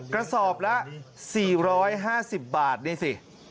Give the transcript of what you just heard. กระสอบละ๔๕๐บาทนี่สิ